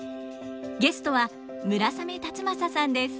ゲストは村雨辰剛さんです。